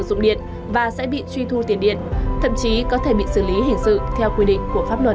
dụng điện và sẽ bị truy thu tiền điện thậm chí có thể bị xử lý hình sự theo quy định của pháp luật